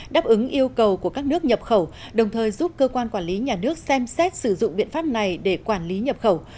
đáp ứng yêu cầu của các nước nhập khẩu đồng thời giúp cơ quan quản lý nhà nước xem xét sử dụng biện pháp này để quản lý nhập khẩu